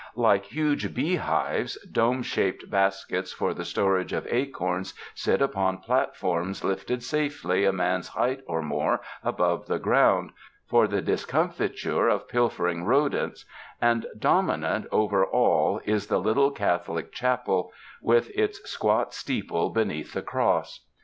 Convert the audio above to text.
Like huge bee hives, dome shaped baskets for the storage of acorns sit upon platforms lifted safely a man's height or more above the ground, for the discom fiture of pilfering rodents; and dominant over all is the little Catholic chapel with its squat steeple 91 UNDER THE SKY IN CALIFORNIA beneath the cross.